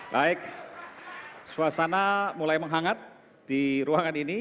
baik suasana mulai menghangat di ruangan ini